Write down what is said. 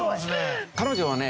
彼女はね